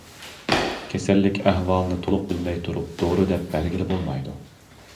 كېسەللىك ئەھۋالىنى تولۇق بىلمەي تۇرۇپ دورا دەپ بەرگىلى بولمايدۇ.